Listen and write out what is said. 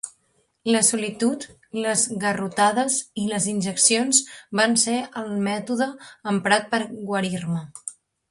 La solitud, les garrotades i les injeccions van ser el mètodes emprats per guarir-me.